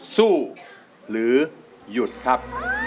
สู้หรือหยุดครับ